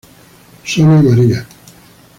Sonia María.